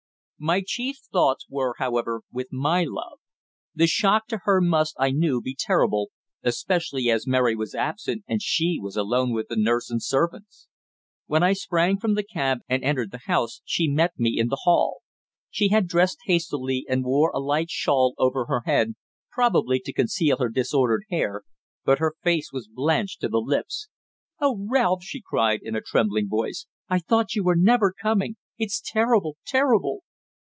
My chief thoughts were, however, with my love. The shock to her must, I knew, be terrible, especially as Mary was absent and she was alone with the nurse and servants. When I sprang from the cab and entered the house she met me in the hall. She had dressed hastily and wore a light shawl over her head, probably to conceal her disordered hair, but her face was blanched to the lips. "Oh, Ralph!" she cried in a trembling voice. "I thought you were never coming. It's terrible terrible!"